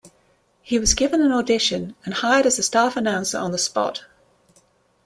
He was given an audition and hired as a staff announcer on the spot.